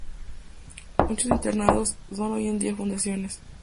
Muchos internados son hoy en día fundaciones.